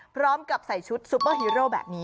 พร้อมกับใส่ชุดซุปเปอร์ฮีโร่แบบนี้